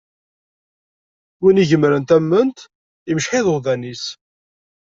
Win igemren tament, imecceḥ iḍudan-is.